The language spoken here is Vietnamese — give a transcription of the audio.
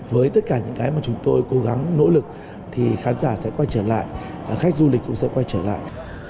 với tất cả những cái mà chúng tôi cố gắng nỗ lực thì khán giả sẽ quay trở lại khách du lịch cũng sẽ quay trở lại